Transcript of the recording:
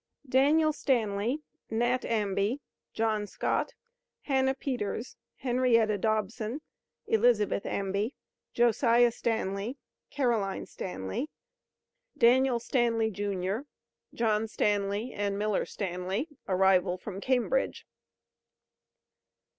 Daniel Stanly, Nat Amby, John Scott, Hannah Peters, Henrietta Dobson, Elizabeth Amby, Josiah Stanly, Caroline Stanly, Daniel Stanly, jr., John Stanly and Miller Stanly (arrival from Cambridge.)